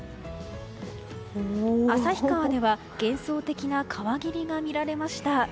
旭川では幻想的な川霧が見られました。